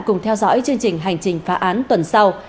cùng theo dõi chương trình hành trình phá án tuần sau